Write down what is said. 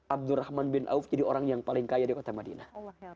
abdurrahman bin auf jadi orang yang paling kaya di kota madinah